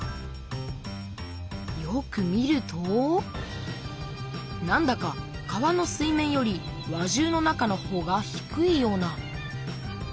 よく見るとなんだか川の水面より輪中の中のほうが低いような。